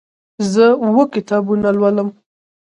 زه اوه کتابونه لولم.